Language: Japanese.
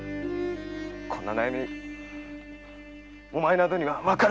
こんな悩みお前などにはわかるまい！